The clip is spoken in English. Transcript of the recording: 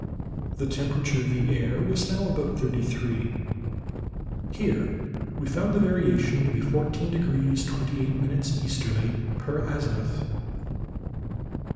The temperature of the air was now about thirty three. Here we found the variation to be 14 degrees 28' easterly, per azimuth.